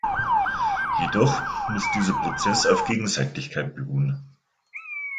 Jedoch muss dieser Prozess auf Gegenseitigkeit beruhen.